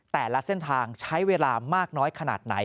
แต่ละเส้นทางใช้เวลามากน้อยขนาดไหน